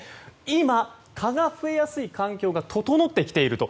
今、蚊が増えやすい環境が整ってきていると。